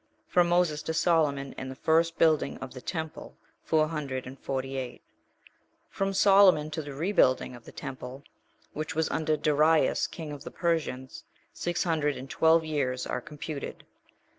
* From Moses to Solomon, and the first building of the temple, four hundred and forty eight. From Solomon to the rebuilding of the temple, which was under Darius, king of the Persians, six hundred and twelve years are computed.